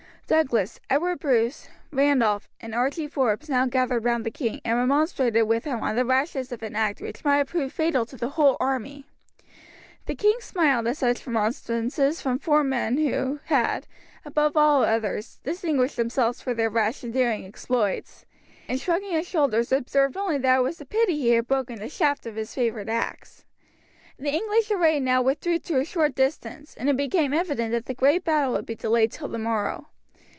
Douglas, Edward Bruce, Randolph, and Archie Forbes now gathered round the king and remonstrated with him on the rashness of an act which might have proved fatal to the whole army. The king smiled at such remonstrances from four men who had, above all others, distinguished themselves for their rash and daring exploits, and shrugging his shoulders observed only that it was a pity he had broken the shaft of his favourite axe. The English array now withdrew to a short distance, and it became evident that the great battle would be delayed till the morrow.